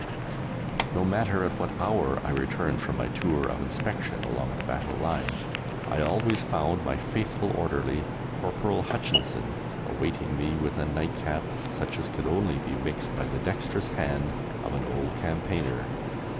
No matter at what hour I returned from my tour of inspection along the battle line, I always found my faithful orderly, Corporal Hutchinson, awaiting me with a "nightcap" such as could only be mixed by the dexterous hand of an old campaigner.